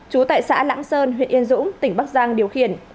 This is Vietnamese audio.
chú tại xã lãng sơn huyện yên dũng tỉnh bắc giang điều khiển